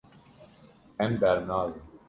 Em bernadin.